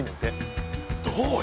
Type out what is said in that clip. どうよ？